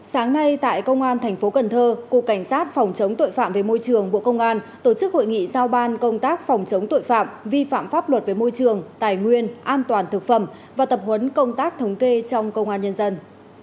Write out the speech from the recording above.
sáng nay tại công an thành phố cần thơ cục cảnh sát phòng chống tội phạm về môi trường bộ công an tổ chức hội nghị giao ban công tác phòng chống tội phạm vi phạm pháp luật về môi trường tài nguyên an toàn thực phẩm và tập huấn công tác thống kê trong công an nhân dân